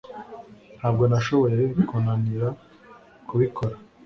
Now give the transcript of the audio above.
Ntabwo nashoboye kunanira kubikora